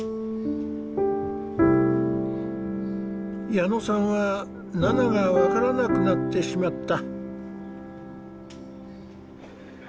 矢野さんはナナが分からなくなってしまった。